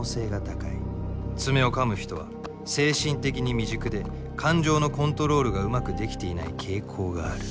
爪をかむ人は精神的に未熟で感情のコントロールがうまくできていない傾向がある。